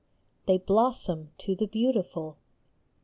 They blossom to the beautiful.